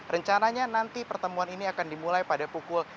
rencananya nanti pertemuan ini akan dimulai pada pukul